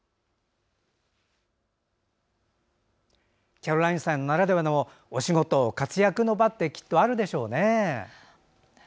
キャロラインさんならではのお仕事、活躍の場ってきっとあるでしょうね。